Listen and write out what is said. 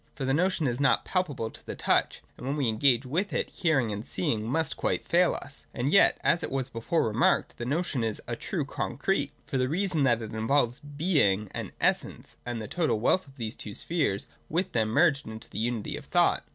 For the notion is not palpable to the touch, and when we are engaged with it, hearing and seeing must quite fail us. And yet, as it was before remarked, the no tion is a true concrete ; for the reason that it involves Being and Essence, and the total wealth of these two spheres wdth them, merged in the unity of thought.